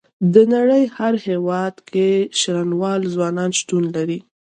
د نړۍ هر هيواد کې شرنوال ځوانان شتون لري.